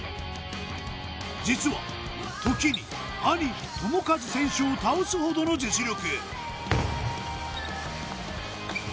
実は時に兄智和選手を倒すほどの実力